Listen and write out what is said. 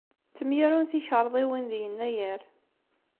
Ttemyarun tikerḍiwin di Yennayer.